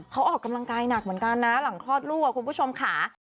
เขาออกกำลังกายหนักเหมือนกันนะหลังคลอดลูกคุณผู้ชมค่ะ